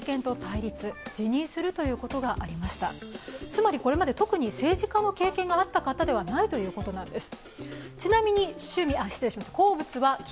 特にこれまで政治家の経験があった方ではないということです。